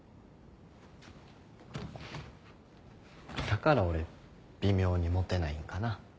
だから俺微妙にモテないんかな？